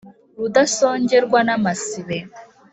Rudasongerwa n’ amasibe